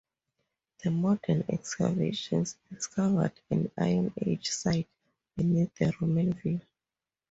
The modern excavations discovered an Iron Age site beneath the Roman villa.